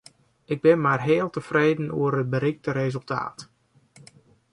Ik bin mar heal tefreden oer it berikte resultaat.